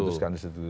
diputuskan di situ